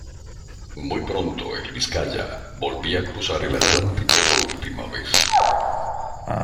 Muy pronto el "Vizcaya" volvía a cruzar el Atlántico por última vez.